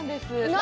何？